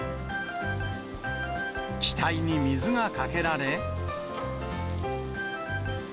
機体に水がかけられ。